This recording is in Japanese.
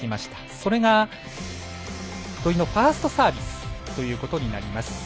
それが土居のファーストサービスということになります。